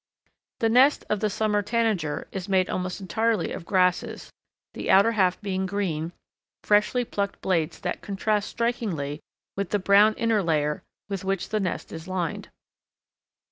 The nest of the Summer Tanager is made almost entirely of grasses, the outer half being green, freshly plucked blades that contrast strikingly with the brown inner layer with which the nest is lined.